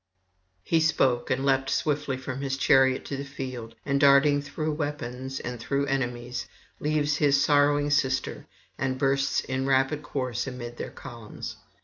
He spoke, and leapt swiftly from his chariot to the field, and darting through weapons [682 718]and through enemies, leaves his sorrowing sister, and bursts in rapid course amid their columns.